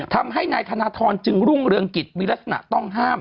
ทำให้นายธนทรจึงรุ่งเรืองกิจมีลักษณะต้องห้าม